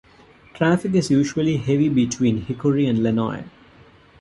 Traffic is usually heavy between Hickory and Lenoir.